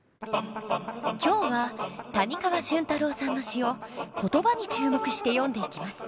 今日は谷川俊太郎さんの詩を言葉に注目して読んでいきます。